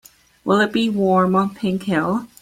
Will it be warm on Pink Hill?